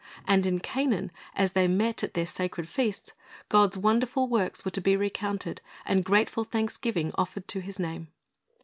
And in Canaan as they met at their sacred feasts, God's wonderful works were to be recounted, and grateful thanksgiving offered to His name.